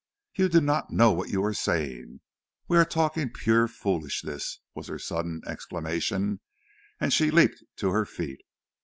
"You do not know what you are saying. We are talking pure foolishness," was her sudden exclamation, as she leapt to her feet.